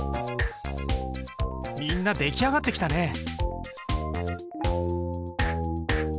みんな出来上がってきたね。